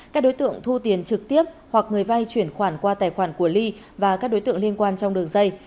các đối tượng thu tiền trực tiếp hoặc người vay chuyển khoản qua tài khoản của ly và các đối tượng liên quan trong đường dây